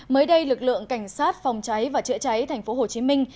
mới đây lực lượng cảnh sát phòng cháy và chữa cháy thành phố hồ chí minh